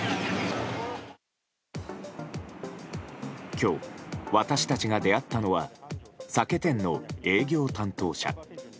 今日、私たちが出会ったのは酒店の営業担当者。